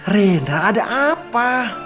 ren ada apa